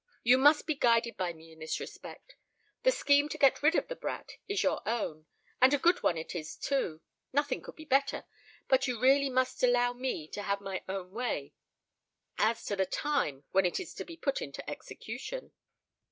"You must be guided by me in this respect. The scheme to get rid of the brat is your own—and a good one it is too. Nothing could be better. But you really must allow me to have my own way as to the time when it is to be put into execution."